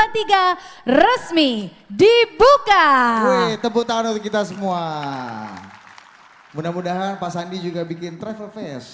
tiga resmi dibuka tepuk tangan kita semua mudah mudahan pasang juga bikin travelfest